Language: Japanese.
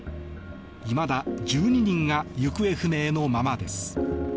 いまだ１２人が行方不明のままです。